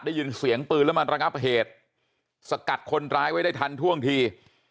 ได้ยินเสียงปืนแล้วมาระงับเหตุสกัดคนร้ายไว้ได้ทันท่วงที